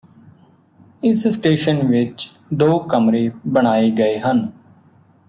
ਇਸ ਸਟੇਸ਼ਨ ਵਿੱਚ ਦੋ ਕਮਰੇ ਬਣਾਏ ਗਏ ਹਨ